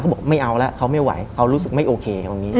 เขาบอกไม่เอาแล้วเขาไม่ไหวเขารู้สึกไม่โอเค